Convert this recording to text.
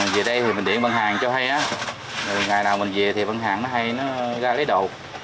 về đây thì mình điện bằng hàng cho hay á ngày nào mình về thì vẫn hàng nó hay nó ra lấy đồ